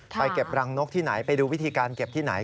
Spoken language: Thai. ไปเก็บรังนกที่ไหนไปดูวิธีการเก็บที่ไหน